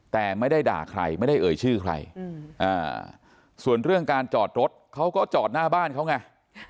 แต่ไม่ได้ด่าใครไม่ได้เอ่ยชื่อใครส่วนเรื่องการจอดรถเขาก็จอดหน้าบ้านเขาไง